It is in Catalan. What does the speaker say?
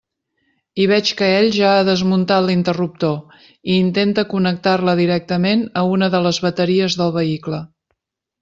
I veig que ell ja ha desmuntat l'interruptor i intenta connectar-la directament a una de les bateries del vehicle.